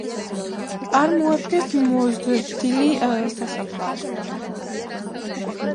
წარმოადგენს მოზრდილი სასაფლაოს.